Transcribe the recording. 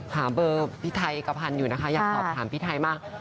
หาเบอร์พี่ไท๋กับพันยุ่งนะคะอยากถามพี่ไท๋มา